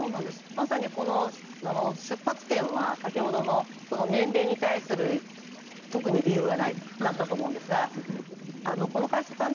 まさにこの出発点は先ほどの年齢に対する特に理由がないだったと思うんですがこの会社さん